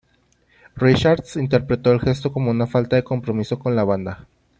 Richards interpretó el gesto como una falta de compromiso con la banda.